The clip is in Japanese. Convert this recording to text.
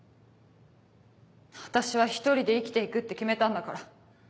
私は一人で生きて行くって決めたんだから。